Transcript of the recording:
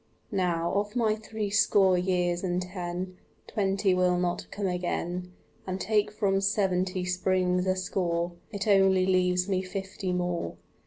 Now, of my threescore years and ten, Twenty will not come again, And take from seventy springs a score, It only leaves me fifty more.